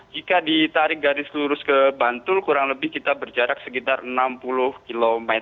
jika ditarik garis lurus ke bantul kurang lebih kita berjarak sekitar enam puluh km